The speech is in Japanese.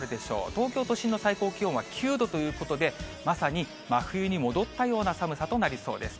東京都心の最高気温は９度ということで、まさに真冬に戻ったような寒さとなりそうです。